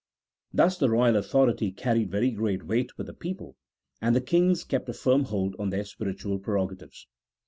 Thus the royal authority carried very great weight with the people, and the kings kept a firm hold on their spiritual prerogatives.